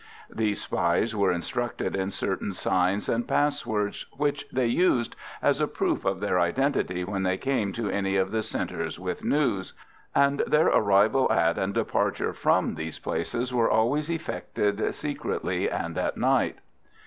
These spies were instructed in certain signs and passwords which they used as a proof of their identity when they came to any of the centres with news; and their arrival at and departure from these places were always effected secretly and at night.